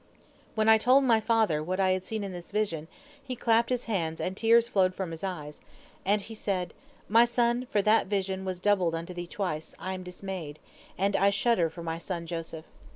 "When I told my father what I had seen in this vision, he clasped his hands, and tears flowed from his eyes, and be said: 'My son, for that the vision was doubled unto thee twice, I am dismayed, and I shudder for my son Joseph.